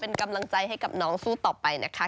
เป็นกำลังใจให้กับน้องสู้ต่อไปนะคะ